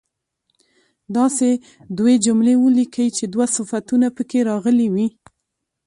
داسې دوې جملې ولیکئ چې دوه صفتونه په کې راغلي وي.